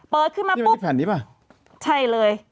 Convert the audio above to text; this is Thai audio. เปิดขึ้นมาปุ๊บใช่เลย